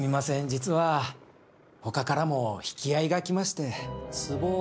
実はほかからも引き合いが来まして。